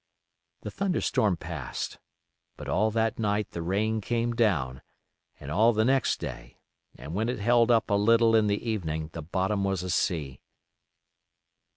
The thunder storm passed, but all that night the rain came down, and all the next day, and when it held up a little in the evening the bottom was a sea.